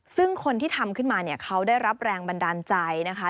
ซึ่งคนที่ทำขึ้นมาเนี่ยเขาได้รับแรงบันดาลใจนะคะ